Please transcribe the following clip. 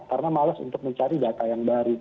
karena males untuk mencari data yang dari